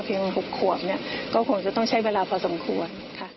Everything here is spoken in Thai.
เพียง๖ขวบก็คงจะต้องใช้เวลาพอสมควร